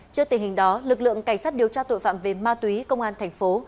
trước tình hình đó lực lượng cảnh sát điều tra tội phạm về ma túy công an thành phố